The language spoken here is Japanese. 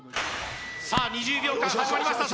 さあ２０秒間始まりました